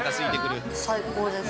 最高です。